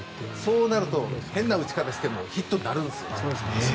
そうなると変な打ち方をしてもヒットになるんですよ。